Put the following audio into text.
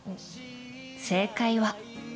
正解は。